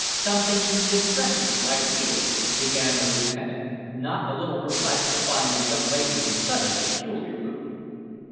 "Something distresses you, I fear," began the lieutenant, not a little perplexed to find the young lady in such a peculiar mood.